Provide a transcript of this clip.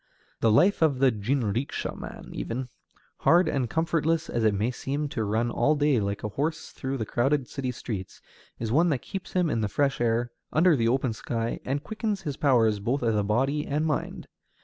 The life of the jinrikisha man even, hard and comfortless as it may seem to run all day like a horse through the crowded city streets, is one that keeps him in the fresh air, under the open sky, and quickens his powers both of body and mind.